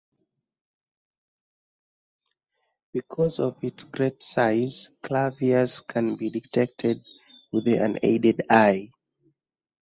Because of its great size, Clavius can be detected with the unaided eye.